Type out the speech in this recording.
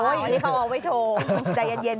อ๋ออันนี้เขาเอาไว้โชว์